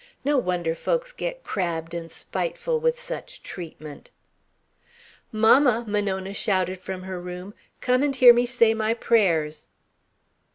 No wonder folks get crabbed and spiteful with such treatment." "Mamma!" Monona shouted from her room. "Come and hear me say my prayers!"